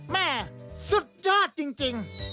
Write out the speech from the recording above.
แม่สุดยอดจริง